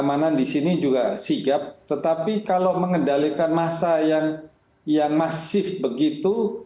keamanan di sini juga sigap tetapi kalau mengendalikan masa yang masif begitu